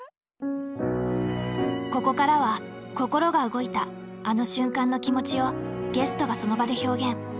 ここからは心が動いたあの瞬間の気持ちをゲストがその場で表現。